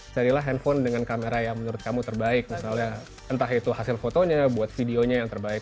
carilah handphone dengan kamera yang menurut kamu terbaik misalnya entah itu hasil fotonya buat videonya yang terbaik